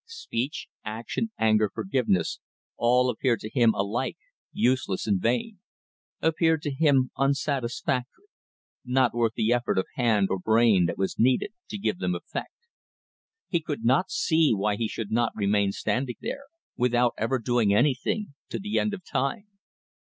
Speech, action, anger, forgiveness, all appeared to him alike useless and vain, appeared to him unsatisfactory, not worth the effort of hand or brain that was needed to give them effect. He could not see why he should not remain standing there, without ever doing anything, to the end of time.